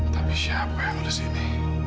tapi siapa yang nulis ini